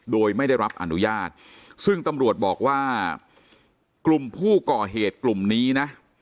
โดยไม่ได้รับอนุญาตซึ่งตำรวจบอกว่ากลุ่มผู้ก่อเหตุกลุ่มนี้นะ